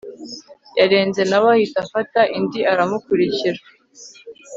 yarenze nawe ahita afata indi aramukurikira